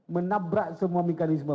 menabrak semua mekanisme